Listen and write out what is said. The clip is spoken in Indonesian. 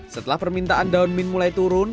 setelah permintaan daun min mulai turun